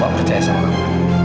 bapak percaya sama aku